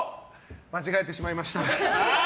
間違えてしまいました。